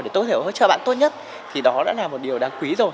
để tốt hiểu hỗ trợ bạn tốt nhất thì đó đã là một điều đáng quý rồi